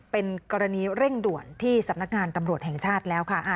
เป็นกรณีเร่งด่วนที่สำนักงานตำรวจแห่งชาติแล้วค่ะ